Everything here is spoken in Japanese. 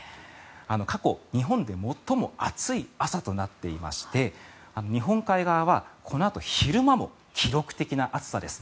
過去日本で最も暑い朝となっていまして日本海側はこのあと昼間も記録的な暑さです。